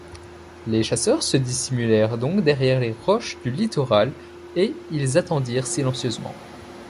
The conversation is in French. Les chasseurs se dissimulèrent donc derrière les roches du littoral, et ils attendirent silencieusement